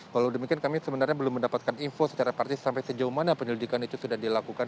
walau demikian kami sebenarnya belum mendapatkan info secara partis sampai sejauh mana penyelidikan itu sudah dilakukan